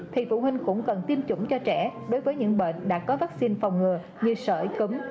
thì phụ huynh cũng cần tiêm chủng cho trẻ đối với những bệnh đã có vaccine phòng ngừa như sởi cúm